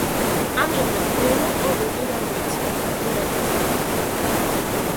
ამჟამად „ლელო“ ყოველდღე გამოიცემა, კვირა დღის გარდა.